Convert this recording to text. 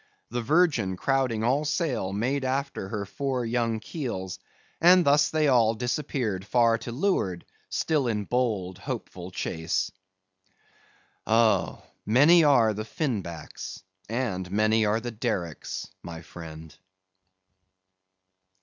The Virgin crowding all sail, made after her four young keels, and thus they all disappeared far to leeward, still in bold, hopeful chase. Oh! many are the Fin Backs, and many are the Dericks, my friend.